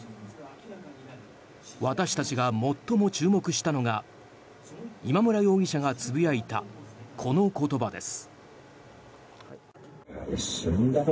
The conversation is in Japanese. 私たちが最も注目したのが今村容疑者がつぶやいたこの言葉です。